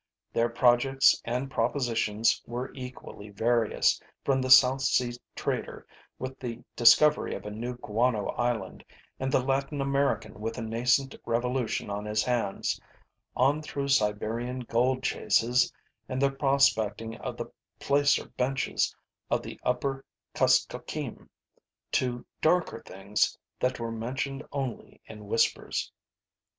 Their projects and propositions were equally various, from the South Sea trader with the discovery of a new guano island and the Latin American with a nascent revolution on his hands, on through Siberian gold chases and the prospecting of the placer benches of the upper Kuskokeem, to darker things that were mentioned only in whispers.